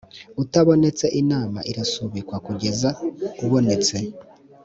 utabonetse inama irasubikwa kugeza ubonetse